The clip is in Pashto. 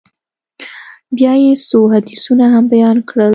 بيا يې څو حديثونه هم بيان کړل.